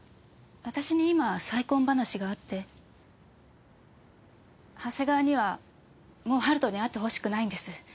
私に今再婚話があって長谷川にはもう春斗に会ってほしくないんです。